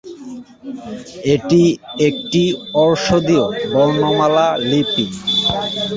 এটি একটি অশব্দীয় বর্ণমালা লিপি।